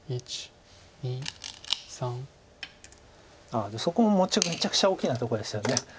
ああそこももちろんめちゃくちゃ大きなところですよね。